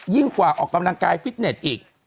กว่าออกกำลังกายฟิตเน็ตอีก